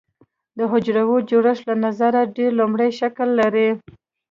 د حجروي جوړښت له نظره ډېر لومړنی شکل لري.